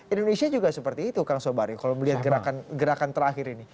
indonesia juga seperti itu kang sobari kalau melihat gerakan terakhir ini